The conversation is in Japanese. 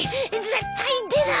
絶対出ない！